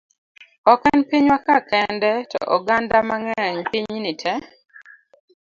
Ok en pinywa ka kende to oganda mang'eny piny ni tee